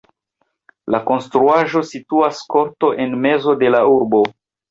La konstruaĵo situas korto en mezo de la urbo.